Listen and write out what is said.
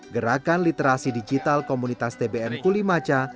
gerakan literasi digital komunitas tbm kulimaca